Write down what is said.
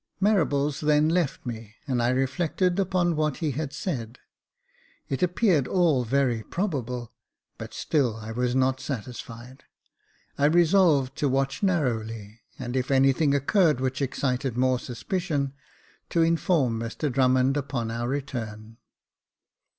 Marables then left me, and I reflected upon what he had said. It appeared all very probable ; but still I was not satisfied. I resolved to watch narrowly, and if anything occurred which excited more suspicions, to inform Mr Drummond upon our return.